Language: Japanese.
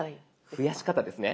増やし方ですね。